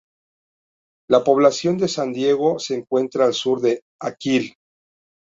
La población de San Diego se encuentra al sur de Akil.